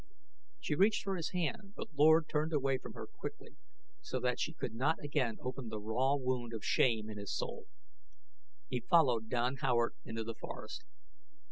She reached for his hand, but Lord turned away from her quickly so that she could not again open the raw wound of shame in his soul. He followed Don Howard into the forest.